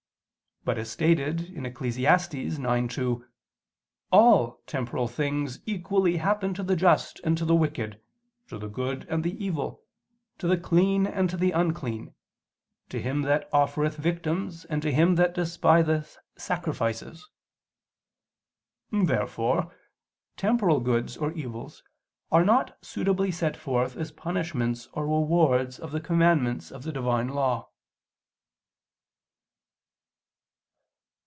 But as stated in Eccles. 9:2, "all" temporal "things equally happen to the just and to the wicked, to the good and the evil, to the clean and to the unclean, to him that offereth victims, and to him that despiseth sacrifices." Therefore temporal goods or evils are not suitably set forth as punishments or rewards of the commandments of the Divine law.